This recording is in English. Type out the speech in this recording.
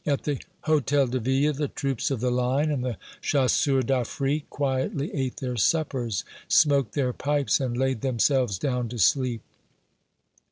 At the Hôtel de Ville the troops of the Line and the Chasseurs d'Afrique quietly ate their suppers, smoked their pipes and laid themselves down to sleep.